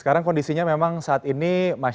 sekarang kondisinya memang saat ini kita bisa menangis